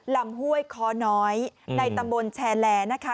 ห้วยคอน้อยในตำบลแชร์แลนะคะ